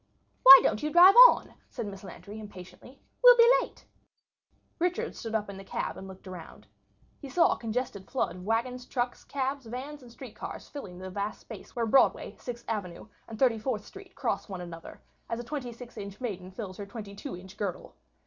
"Why don't you drive on?" said Miss Lantry, impatiently. "We'll be late." Richard stood up in the cab and looked around. He saw a congested flood of wagons, trucks, cabs, vans and street cars filling the vast space where Broadway, Sixth Avenue and Thirty fourth street cross one another as a twenty six inch maiden fills her twenty two inch girdle.